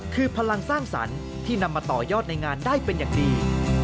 คือพลังสร้างสรรค์ที่นำมาต่อยอดในงานได้เป็นอย่างดี